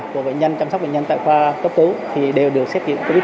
của bệnh nhân chăm sóc bệnh nhân tại khoa cấp cứu thì đều được xét nghiệm covid một mươi